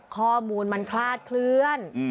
ข้อมูลมันคลาดเคลื่อน